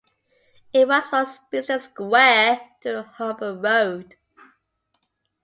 It runs from Beeston Square to Humber Road.